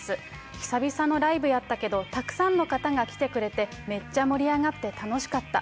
久々のライブやったけどたくさんの方が来てくれて、めっちゃ盛り上がって楽しかった。